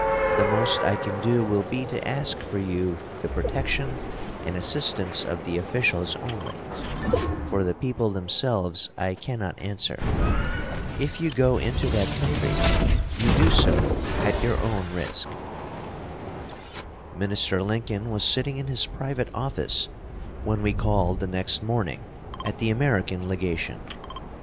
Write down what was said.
The most I can do will be to ask for you the protection and assistance of the officials only; for the people themselves I cannot answer. If you go into that country you do so at your own risk." Minister Lincoln was sitting in his private office when we called the next morning at I the American legation.